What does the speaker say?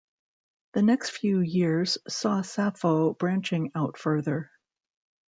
The next few years saw Sapho branching out further.